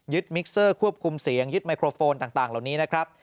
มิกเซอร์ควบคุมเสียงยึดไมโครโฟนต่างเหล่านี้นะครับ